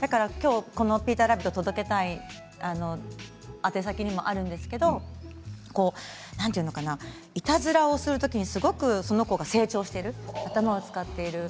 だから、きょうこの「ピーターラビット」届けたい宛先にもあるんですけど何て言うのかないたずらをするときにすごくそのほうが成長している頭を使っている。